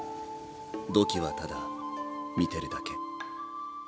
土器はただ見てるだけ。